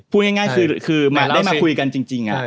พูดง่ายคือได้มาคุยกันจริง